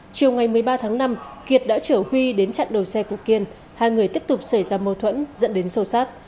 chiều ngày một mươi ba tháng năm kiệt đã chở huy đến chặn đầu xe của kiên hai người tiếp tục xảy ra mâu thuẫn dẫn đến sâu sát